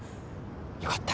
よかった。